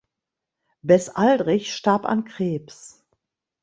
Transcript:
Bess Aldrich starb an Krebs.